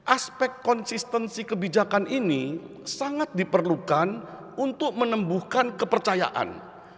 aspek konsistensi kebijakan ini sangat diperlukan untuk menembuhkan kepercayaan